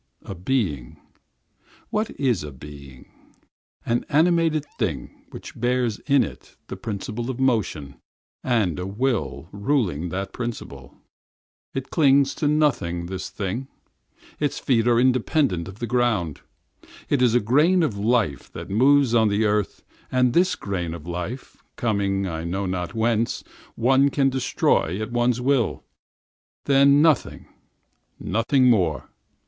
A being? What is a being? That animated thing, that bears in it the principle of motion and a will ruling that motion. It is attached to nothing, this thing. Its feet do not belong to the ground. It is a grain of life that moves on the earth, and this grain of life, coming I know not whence, one can destroy at one's will. Then nothing—nothing more.